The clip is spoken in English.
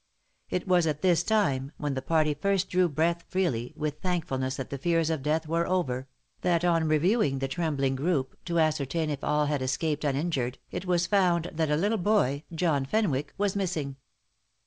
It was at this time, when the party first drew breath freely with thankfulness that the fears of death were over that on reviewing the trembling group to ascertain if all had escaped uninjured, it was found that a little boy, John Fenwick, was missing.